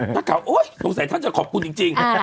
นักข่าวโอ๊ยสงสัยท่านจะขอบคุณจริง